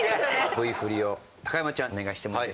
Ｖ振りを高山ちゃんお願いしてもいいですか？